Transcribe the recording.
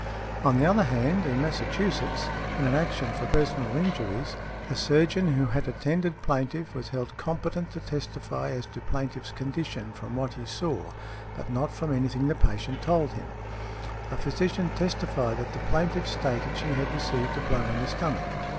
|98| On the other hand, in Massachusetts, in an action for personal injuries, a surgeon who had attended plaintiff was held competent to testify as to plaintiff's condition from what he saw, but not from anything the patient told him . A physician testified that the plaintiff stated she had received a blow in the stomach.